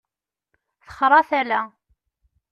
Texṛa tala.